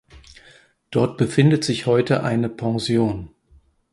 Dort befindet sich heute eine Pension.